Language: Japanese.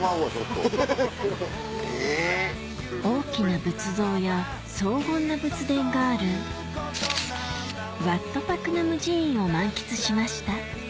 大きな仏像や荘厳な仏殿があるワット・パクナム寺院を満喫しました